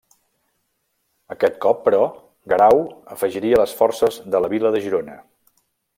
Aquest cop però, Guerau afegiria les forces de la vila de Girona.